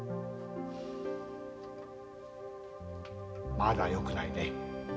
まだよくないね。